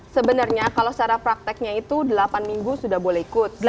sebenarnya kalau secara prakteknya itu delapan minggu sudah boleh ikut